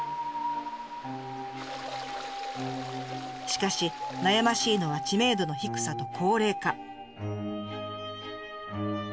しかし悩ましいのは知名度の低さと高齢化。